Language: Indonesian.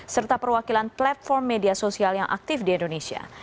serta perwakilan platform media sosial yang aktif di indonesia